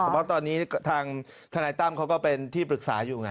เพราะตอนนี้ทางทนายตั้มเขาก็เป็นที่ปรึกษาอยู่ไง